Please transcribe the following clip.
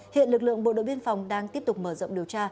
hiện lực lượng bộ đội biên phòng đang tiếp tục mở rộng điều tra